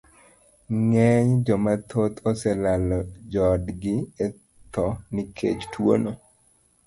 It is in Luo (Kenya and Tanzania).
Ng'eny jomotho oselalo joodgi etho nikech tuwono.